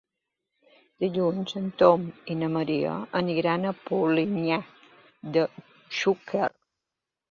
Dilluns en Tom i na Maria aniran a Polinyà de Xúquer.